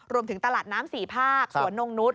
รวมถึงตลาดน้ำ๔ภาคสวนนงนุษย